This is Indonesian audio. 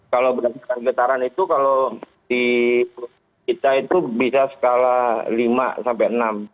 kalau berdasarkan getaran itu kalau di kita itu bisa skala lima sampai enam